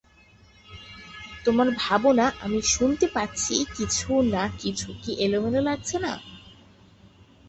তোমার ভাবনা আমি শুনতে পাচ্ছি কিছু না কিছু কি এলোমেলো লাগছে না?